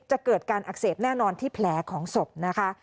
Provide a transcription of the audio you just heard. เกิดการอักเสบแน่นอนที่แผลของศพนะคะ